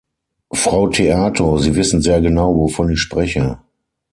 Frau Theato, Sie wissen sehr genau, wovon ich spreche.